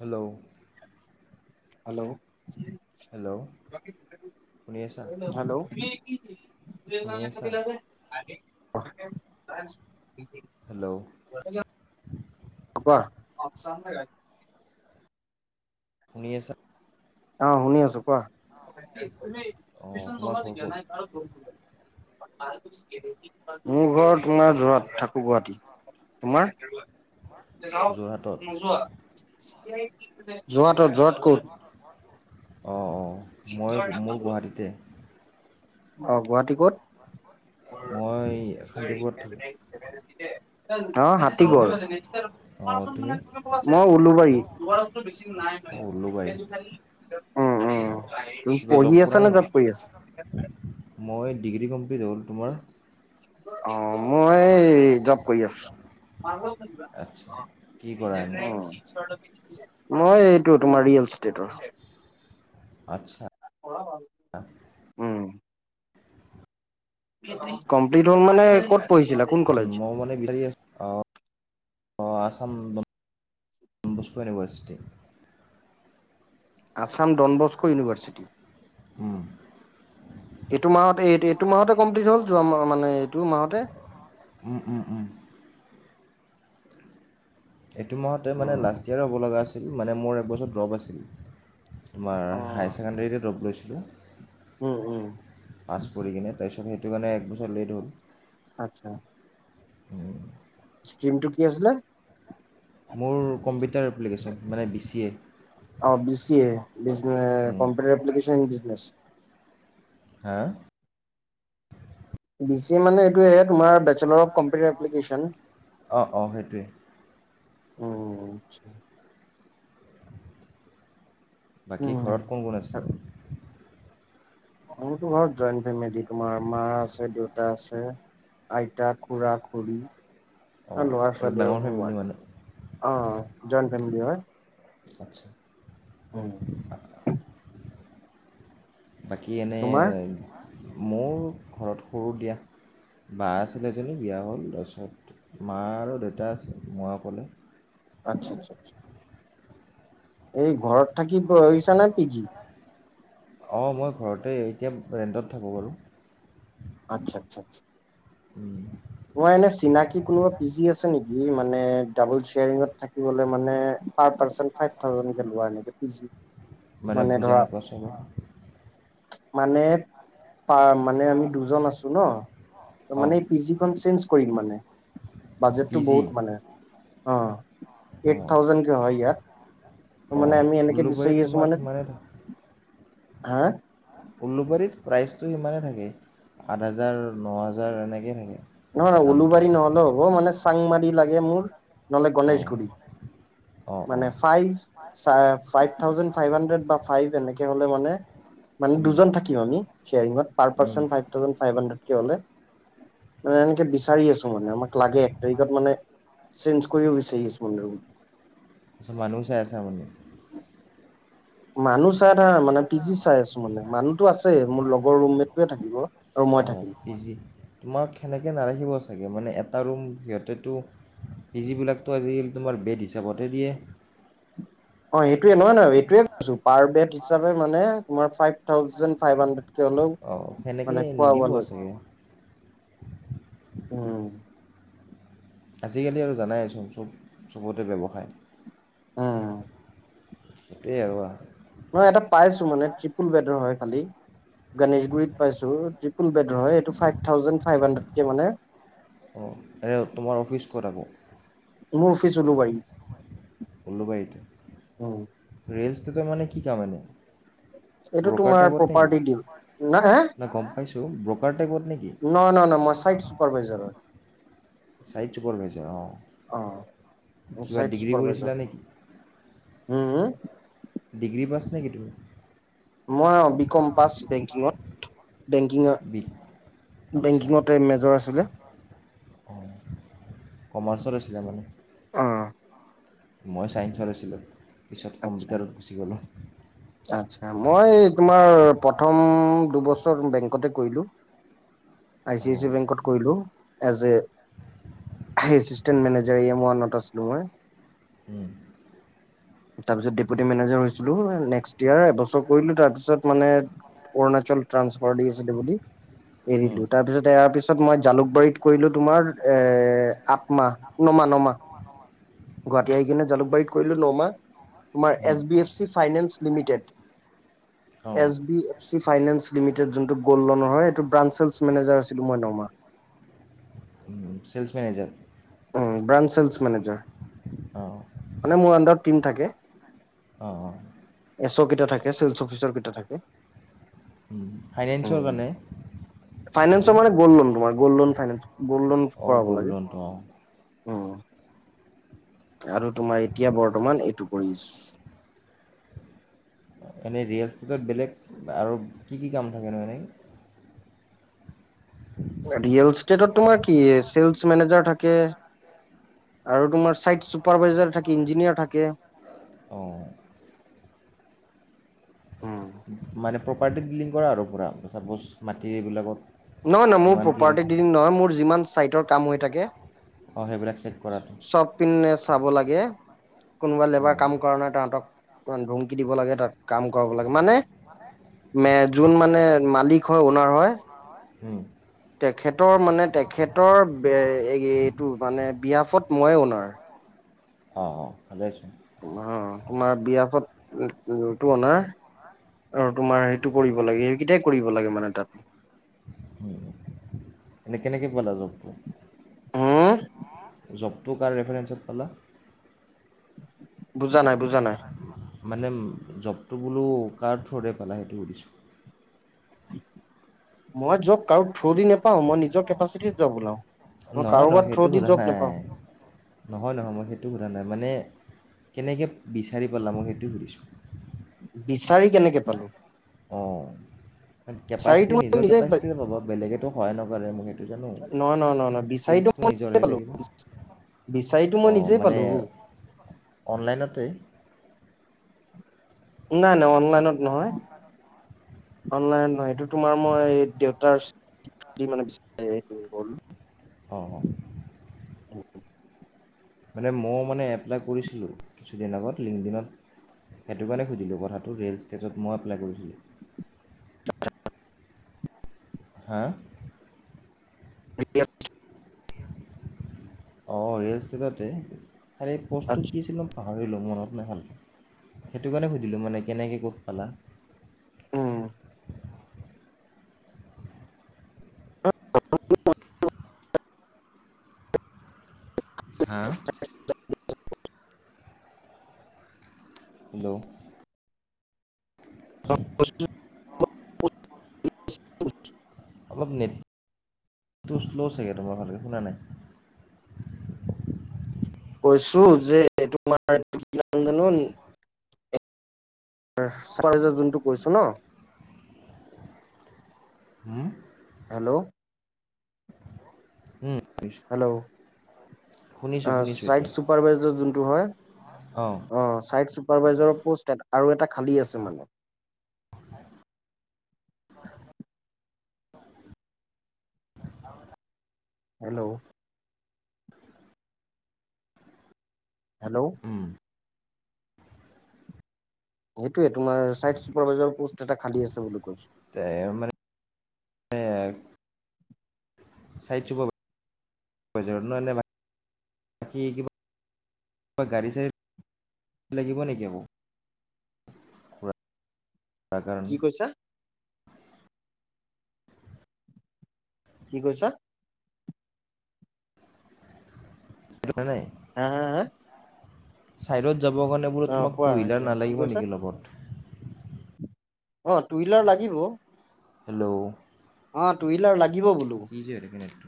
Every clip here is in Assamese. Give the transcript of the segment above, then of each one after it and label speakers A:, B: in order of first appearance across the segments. A: হেল্ল'। হেল্ল' শুনি আছা
B: হেল্ল'
A: শুনি আছা
B: [unintelligible]
A: হেল্ল'।
B: কোৱা?
A: শুনি আছা?
B: অ', শুনি আছো
A: অঁ তোমাৰ
B: কোৱা?
A: ঘৰ ক'ত
B: [unintelligible] মোৰ ঘৰ তোমাৰ যোৰহাট থাকো গুৱাহাটী। তোমাৰ?
A: যোৰহাটত
B: যোৰহাটত যোৰহাট কত?
A: অঁ', অঁ'মই মোৰ গুৱাহাটীতে।
B: অ', গুৱাহাটী ক'ত?
A: মই শান্তিপুৰত থাকো।
B: [unintelligible] অ', হাতী গড়।
A: অঁ তুমি
B: মই উলোবাৰী। উম'
A: অঁ উলুবাৰী
B: উম'
A: অঁ
B: তুমি
A: কিবা জব
B: পঢ়ি
A: কৰা
B: আছা নে
A: নেকি
B: জব কৰি আছা?
A: মই ডিগ্ৰী কমপ্লিট হ'ল তোমাৰ?
B: অ' মই এই জব কৰি আছোঁ। মই
A: আচ্ছা
B: এই
A: কি কৰা এনেই
B: এইটো তোমাৰ ৰিয়েল ইষ্টেটৰ হয়।
A: আচ্ছা
B: [unintelligible] উম' কমপ্লিট হ'ল মানে, ক'ত পঢ়িছিলা? কোন কলেজ
A: মই মানে বিচাৰি আছোঁ। অ' অ' Assam Don Bosco university.
B: Assam Don Bosco university,
A: university
B: এইটো মাহত এই এইটো মাহতে কমপ্লিট হ'ল, যোৱা মানে এইটো মাহতে-
A: উম' উম' উম এইটো মাহতে মানে
B: উম।
A: লাষ্ট ইয়েৰ হ'ব লগা আছিল। মানে মোৰ একবছৰ ড্ৰপ আছিল। তোমাৰ হায়াৰ ছেকেণ্ডেৰীতে দপ লৈছিলোঁ।
B: উম উম
A: পাছ কৰি কিনে, তাৰপিছত সেইটো কাৰণে একবছৰ লেট হ'ল।
B: আচ্ছা। ষ্টিম টো কি আছিলে?
A: মোৰ কম্পিউটাৰ এপ্লিকেশ্যন, মানে বি চি এ।
B: অ' বিচিএ এ কম্পিউটাৰ এপ্লিকেশ্বন বিজনেছ।
A: হা
B: বিচিএ মানে এইটোয়ে তোমাৰ ব্ৰেচলেটৰ অ' কম্পিটেৰ এপ্লিকেশ্বন।
A: অঁ অঁ সেইটোৱে
B: অ' আচ্ছা।
A: বাকী
B: উম।
A: ঘৰত কোন কোন আছে?
B: মোৰতো ঘৰত জইণ্ট ফেমিলি তোমাৰ মা আছে, দেউতা আছে। আইতা, খুড়া-খুড়ী
A: অঁ
B: আৰু
A: এই
B: ল'ৰা-ছোৱালী আৰু
A: ডাঙৰ
B: মই।
A: ফেমিলি মানে
B: অ' জইণ্ট ফেমিলি হয়।
A: আচ্ছা।
B: অ'
A: বাকী এনেই
B: তোমাৰ
A: মোৰ ঘৰত সৰু দিয়া। বা আছিল এজনী বিয়া হ'ল, তাৰপিছত মা আৰু দেউতা আছে মই অক'লে।
B: আচ্ছ আচ্ছা। এই ঘৰত থাকি পঢ়িছা নাই পিগী? [unintelligible]
A: অ' মই ঘৰতে, এতিয়া ৰেণ্টত থাকো বাৰু।
B: আচ্ছা, আচ্ছা, আচ্ছা।
A: উম' [unintelligible]
B: অ' এনে চিনাকি কোনোবা পি জি আছে নেকি? মানে ডাবোল চেয়াৰিনত থাকিবলৈ মানে ফাইভ পাৰ্চেন্ট ফাইভ থাউজেণ্ডকে লোৱা এনেকে পি জি।
A: মানে বুজা নাই, কোৱাচোন।
B: মানে-মানে, আমি দুজন আছো ন। ত' মানে
A: অঁ
B: এই পি জিখন চেঞ্জ কৰিম মানে
A: পি
B: বাজেটটো
A: জি
B: বহুত মানে অঁ, এইট
A: অঁ
B: থাউজেণ্ডক হয় ইয়াত। ত'
A: অঁ
B: মানে আমি এনেকে
A: উলুবাৰীত
B: বিচাৰি আছো
A: তোমাৰ
B: মানে
A: সিমানেই থাকে
B: হা
A: উলু বাৰীত প্ৰাইচটো সিমানে থাকে আঠ হাজাৰ ন হাজাৰ এনেকৈ থাকে।
B: নহয়-নহয়
A: দামটো
B: উলুবাৰী নহ'লেও হ'ব মানে চাংমাৰি লাগে মোৰ নহ'লে
A: অঁ
B: গণেশগুৰিত।
A: অঁ
B: মানে
A: অঁ
B: five five thousand five hundred বা ফাইভ এনেকে হলে মানে মানে
A: উম,
B: দুজন থাকিম আমি শেয়াৰিংত পাৰ
A: উম।
B: পাৰ্চন ফাইভ থাউে ফাইভ হাড্ৰেক হ'লে। মানে এনেকে বিচাৰি আছো মানে আমাক লাগে এক তাৰিখত মানে চেঞ্জ কৰিব বিচাৰি আছো মানে ৰুম।
A: মানুহ চাই আছে মানে।
B: মানুহ চাই থাকা নাই মানে পি জি চাই আছো মানে মানুহতো আছে মোৰ লগৰ ৰুমমেটটোয়ে থাকিব। আৰু মই
A: অঁ
B: থাকিম।
A: পি জি তোমাক সেনেকে নাৰাখিব চাগে মানে এটা ৰুম সিহঁতেতো। পি জি বিলাকতো আজিকালি তোমাৰ বেড হিচাপতহে দিয়ে।
B: অ সেইটোয়ে নহয় নহয় এইেটোয়ে কৈছো পাৰবেড হিচাপে মানে তোমাৰ ফাইভ থাউজেণ্ড ফাইভ হানড্ৰেড। কে হলেও
A: অঁ সেনেকৈ
B: মানে খোৱা
A: নিদিব
B: বোৱা লৈ।
A: চাগে
B: উম
A: আজিকালি আৰু জানাইচোন চব চবতে ব্যৱসায়।
B: উম
A: সেইটোৱে আৰু।
B: মই এটা পাইছো মানে ত্ৰিপুল বেডৰ হয় খালি। গণেশগুৰিত পাইছো ট্ৰিপুল বেড হয় এইটো ফাইভ থাউজেণ্ড ফাইভ হানড্ৰেদকে মানে।
A: অঁ এয়া তোমাৰ অফিচ ক'ত আকৌ,
B: মোৰ অফিচ উলূবাৰী।
A: উলুবাৰীতে ৰীয়েল ইষ্টেতৰ মানে কি কাম এনে?
B: এইটো
A: ব্ৰ'কাৰ
B: তোমাৰ
A: টেগত নেকি
B: প্ৰপাৰ্টি ডিল
A: নাই গম পাইছোঁ ব্ৰ'কাৰ টেগত নেকি?
B: নহয় নহয় ন মই চাইড চুপাৰভাইজাৰ হয়।
A: চাইড চুপাৰ ভাইজাৰ অ,
B: অ
A: কিবা ডিগ্ৰী কৰিছিলা নেকি?
B: উম উ
A: ডিগ্ৰী পাছ নেকি তুমি?
B: মই অ বি কম পাছ বেংকিঙত, বেংকিং অ
A: বি আচ্ছা
B: বেংকিঙতে মেজৰ আছিলে।
A: অঁ কমাৰ্চত আছিলে মানে,
B: অঁ
A: মই ছাইন্সৰ আছিলোঁ পিছত
B: আচ্ছা
A: কম্পিউটাৰত গুচি গ'লোঁ।
B: আচ্ছা মই এই তোমাৰ প্ৰথম দুবছৰ বেংকতে কৰিলোঁ।
A: [inaudible]
B: আই চি আই
A: অঁ
B: চি বেংকত কৰিলো। As a assistant manager E M ওৱানত আছিলো মই।
A: উম
B: তাৰপিছত ডেপুটি মেনেজাৰ হৈছিলো নেক্সট ইয়াৰ এবছৰ কৰিলো তাৰপিছত মানে, অৰুণাচল ট্ৰানঞ্চফাৰ দি আছে বুলি,
A: হুম,
B: এৰিলো তাৰ পিছত এৰাৰ পিছত মই জালুকবাৰীত কৰিলো তোমাৰ এ আঠ মাহ।
A: [inaudible]
B: গুৱাহাটী আহি কিনে জুকবাৰীত কৰিলো নমাহ। তোমাৰ
A: হুম,
B: S B F C finance limited.
A: অঁ
B: S B F C finance limited যোনটো গ'ল্ড লোনৰ হয় এইটো ব্ৰাঞ্চ চেলছ মেনেজাৰ আছিলো মই নমাহ।
A: উম চেলচ্ মেনেজাৰ।
B: উ ব্ৰাঞ্চ চেলচ্ মেনেজাৰ
A: অঁ
B: মানে মোৰ আণ্ডাৰত টিম থাকে।
A: অঁ অঁ
B: এছ ও কেইটা থাকে চেলচ্ অফিচৰ কেইটা থাকে।
A: উম ফাইনেঞ্চৰ কাৰণে, সেইটো
B: ফাইনেন্সৰ মানে গল্ডলোন তোমাৰ গল্ডলোন ফাইনেন্স গল্ড লোন‌ কৰাব। লাগে
A: গোল্ডলোনটো অ।
B: উম! আৰু তোমাৰ এতিয়া বৰ্তমান এইটো কৰি আছোঁ।
A: এনেই ৰিয়েল ষ্টেটত বেলেগ আৰু কি-কি কাম থাকেনো এনেই?
B: ৰিয়েল ষ্টেটত তোমাৰ কি চেলচ মেনেজাৰ থাকে। আৰু তোমাৰ ছাইট চুপাৰভাইজাৰ থাকে, ইঞ্জিনিয়াৰ থাকে।
A: অঁ!
B: উম
A: মানে প্ৰপাৰ্টি ডিলিং কৰা আৰু পুৰা ছাপ'জ মাটি এইবিলাকত।
B: নহয়-নহয়, মোৰ
A: কিমান কি লাগে,
B: প্ৰপাৰ্টি ডিলিং নহয়, মোৰ যিমান চাইটৰ কাম হৈ থাকে
A: অঁ সেইবিলাক চেক কৰাটো।
B: [unintelligible] পিনে চাব লাগে। কোনোবা লেবাৰ
A: অঁ
B: কাম কৰা নাই তহাঁতক ধমকি দিব লাগে, তাত কাম কৰা লাগে, মানে
A: মানে
B: মে যোন মানে মালিক হয় অনাৰ হয়
A: হুম!
B: তেখেতৰ মানে তেখেতৰ এইটো মানে বিয়াপত মই অনাৰ।
A: অঁ অঁ ভালে চোন।
B: অঁ! তোমাৰ বিয়াপতটো অনাৰ।
A: হা!
B: আৰু তোমাৰ সেইটো কৰিব লাগে, সেইকেইটাই কৰিব লাগে মানে তাত।
A: উম! এনেই কেনেকে পালা জবটো?
B: হুম!
A: জবটো কাৰ ৰেফাৰেঞ্চত পালা?
B: বুজা নাই, বুজা নাই।
A: মানে জবটো বোলো কাৰ থ্ৰৰে পালা সেইটো সুধিছোঁ।
B: মই জব কাৰো থ্ৰোৰ দি নাপাওঁ, মই নিজৰ কেপাচিটিত যাওঁ ওলাওঁ।
A: নহয়-নহয় সেইটো সোধা নাই, নহয়-নহয় মই সেইটো সোধা নাই মানে কেনেকে বিচাৰি পালা মই সেইটো সুধিছোঁ?
B: বিচাৰি কেনেকে পালো?
A: অঁ!
B: বিচাৰিতো
A: কেপাচিটি
B: মই
A: নিজৰ
B: নিজে
A: কেপাচিটি পাব বেলেগেতো সহায় নকৰে মোক সেইটো জানো।
B: নহয় নহয় নহয় নহয়
A: স্কিলছ তটো নিজৰে লাগিব।
B: বিচাৰিটো মই নিজে পালোঁ।
A: অনলাইনতেই?
B: নাই-নাই অনলাইনত নহয়, অনলাইনত নহয় এইটো তোমাৰ মই এই দেউতাৰ [unintelligible] মানে এইটো হ'ল।
A: অঁ-অঁ! মানে মইও মানে এপ্লাই কৰিছিলোঁ কিছুদিন আগত লিংকডিনত। সেইটো কাৰণে সুধিলোঁ কথাটো ৰিয়েল ষ্টেজত মই এপ্লাই কৰিছিলোঁ।
B: [unintelligible]
A: হা!
B: [unintelligible]
A: অঁ! ৰিয়েল ষ্টেটতেই। খালী প'ষ্টটো কি আছিলে পাহৰিলোঁ মনত নহ'ল। সেইটো কাৰণে সুধিলোঁ কেনেকৈ পালা?
B: উম [unintelligible]
A: হা! হেল্ল'?
B: [unintelligible]
A: অলপ নেটটো শ্ল' চাগে, তোমাৰ ভালকে শুনা নাই।
B: কৈছো যে [unintelligible] [unintelligible] যোনটো কৈছো ন।
A: হম।
B: হেল্ল'?
A: উম' নিচ
B: হেল্ল'? অ',
A: শুনিছোঁ
B: ছাইট
A: এতিয়া
B: চুপাৰভাইজাৰ যোনটো হয়,
A: অঁ
B: অ' ছাইট চুপাৰভাইজাৰক পষ্ট এটা আৰু এটা খালী আছে মানে। হেল্ল'? হেল্ল'?
A: উম
B: সেইটোৱে তোমাৰ ছাইট ছুপাৰ ভাইজাৰ পষ্ট এটা খালী আছে বুলি কৈছো।
A: তে মা। [unintelligible] ছাইট ছুপাৰ ভাইজাৰ [unintelligible] গাড়ী চাড়ী লাগিব নেকি মোক তাৰ
B: কি
A: কাৰণে।
B: কৈছা কি কৈছা?
A: [unintelligible]
B: হা হা হা।
A: ছাইডত যাব কাৰণে বোলো
B: অ
A: তোমাক
B: কোৱা
A: টু হুইলাৰ
B: এতিয়া কি
A: নালাগিব
B: কৈছা
A: নেকি লগত?
B: অ' টু হুইলাৰ লাগিব।
A: হেল্ল'?
B: অ' টু হুইলাৰ লাগিব বোলো।
A: কি যে এনেকোৱা নাট।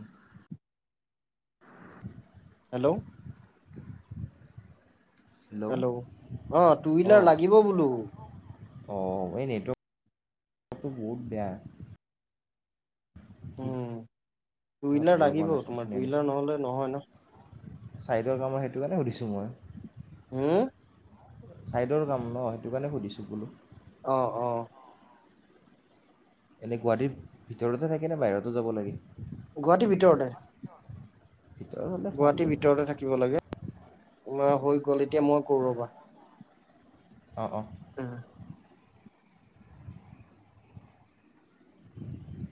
A: [unintelligible]
B: হেল্ল'?
A: [unintelligible] হেল্ল'
B: অ টু হুইলাৰ
A: অ'।
B: লাগিব বোলো
A: অ', এ নেটৱৰ্কটো বহুত বেয়া। কি
B: উম' টু হুইলাৰ
A: ধৰিব
B: লাগিব তোমাৰ, টু হুইলাৰ নহ'লে নহয় ন।
A: চাইডৰ কাম সেইটো কাৰণে সুধিছোঁ মই।
B: উম'।
A: ছাইডৰ কাম ন সেইটো কাৰণে সুধিছোঁ বোলো।
B: অ', অ'।
A: এনেই গুৱাহাটীত ভিতৰতে থাকে নে, বাহিৰতো যাব লাগে।
B: গুৱাহাটীৰ ভিতৰতে।
A: [unintelligible] হ'লে ভাল
B: গুৱাহাটীৰ
A: বাৰু
B: ভিতৰতে থাকিব লাগে, তোমাৰ হৈ গল, এতিয়া মই কৰো ৰ'বা।
A: অঁ', অঁ'।
B: উম।
A: [unintelligible]